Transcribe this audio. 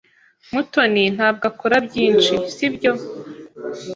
Mutoni ntabwo akora byinshi, sibyo?